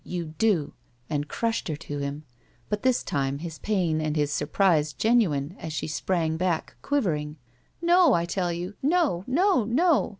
You do," and crushed her to him, but this time his pain and his surprise genuine as she sprang back, quivering. "No, I tell you. No! No! No!"